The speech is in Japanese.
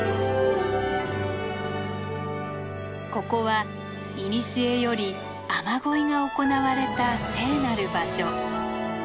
ここは古より雨乞いが行われた聖なる場所。